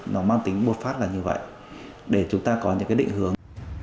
nó mang tính bột phát là như vậy để chúng ta có những cái định hướng